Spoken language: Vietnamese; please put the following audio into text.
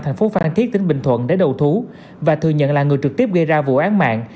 thành phố phan thiết tỉnh bình thuận để đầu thú và thừa nhận là người trực tiếp gây ra vụ án mạng